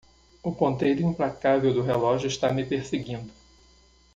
O ponteiro implacável do relógio está me perseguindo